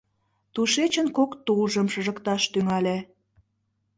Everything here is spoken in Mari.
Тушечын кок тулжым шыжыкташ тӱҥале.